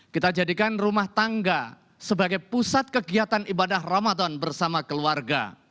kita jadikan rumah tangga sebagai pusat kegiatan ibadah ramadan bersama keluarga